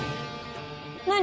何？